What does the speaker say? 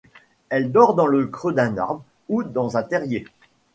Elle dort dans le creux d'un arbre ou dans un terrier.